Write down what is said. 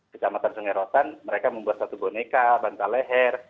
kecamatan sungai rotan mereka membuat satu boneka bantal leher